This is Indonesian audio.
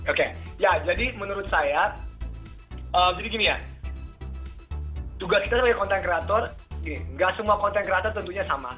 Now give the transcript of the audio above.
oke ya jadi menurut saya jadi gini ya tugas kita sebagai content creator gak semua content creator tentunya sama